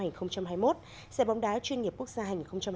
giải bóng đá chuyên nghiệp quốc gia hành hai mươi